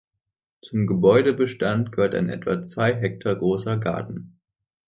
Zum Gebäudebestand gehört ein etwa zwei Hektar großer Garten.